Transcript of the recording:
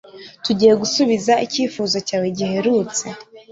tugiye gusubiza icyifuzo cyawe giherutse